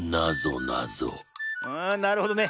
あなるほどね。